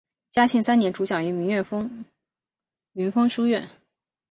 嘉庆三年主讲于明月里云峰书院。